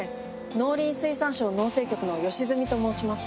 農林水産省農政局の吉住と申します。